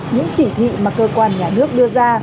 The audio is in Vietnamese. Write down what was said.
những chỉ thị mà cơ quan nhà nước đưa ra